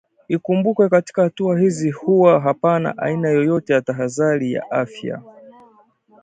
ikumbukwe katika hatua hizi huwa hapana aina yoyote ya tahadhari ya afya